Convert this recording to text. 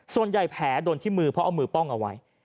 แผลโดนที่มือเพราะเอามือป้องเอาไว้